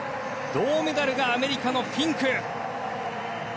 銅メダルがアメリカのフィンク。